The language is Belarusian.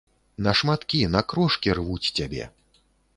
На шматкі, на крошкі рвуць цябе.